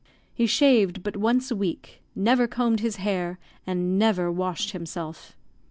He shaved but once a week, never combed his hair, and never washed himself.